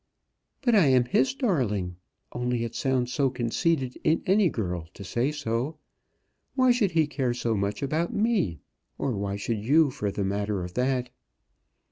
"But I am his darling. Only it sounds so conceited in any girl to say so. Why should he care so much about me? or why should you, for the matter of that?"